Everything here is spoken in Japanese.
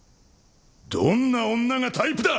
どんな女がタイプだ？